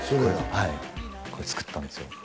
はいこれ作ったんですよ